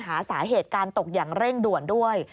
หาสาเหตุการตกอย่างเร่งด่วนด้วย